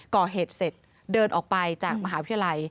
ก่อเหตุเสร็จเดินออกไปจากมหาวิทยาลัย